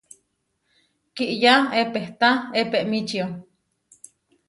Kiyá epehtá epemíčio.